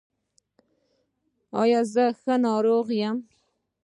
ایا زه ښه ناروغ یم؟